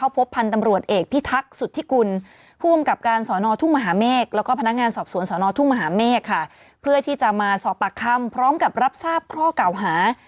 ปากคำพร้อมกับรับทราบข้อกล่าวหา